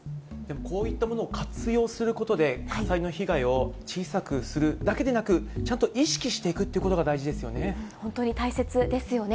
こういったものを活用することで、火災の被害を小さくするだけでなく、ちゃんと意識していく本当に大切ですよね。